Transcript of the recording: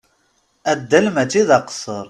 Addal mačči d aqesser.